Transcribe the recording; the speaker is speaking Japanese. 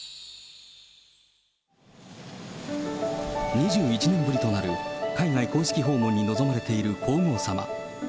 ２１年ぶりとなる海外公式訪問に臨まれている皇后さま。